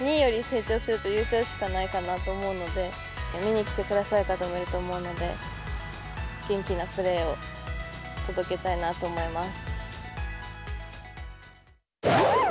２位より成長すると優勝しかないかなと思うので、見に来てくださる方もいると思うので、元気なプレーを届けたいなと思います。